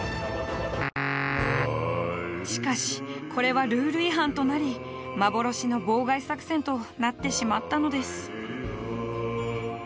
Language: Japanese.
しかしこれはルール違反となり幻の妨害作戦となってしまったのです。